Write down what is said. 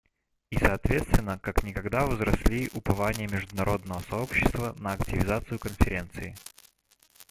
И соответственно, как никогда возросли упования международного сообщества на активизацию Конференции.